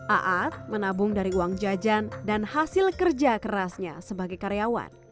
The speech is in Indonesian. aad menabung dari uang jajan dan hasil kerja kerasnya sebagai karyawan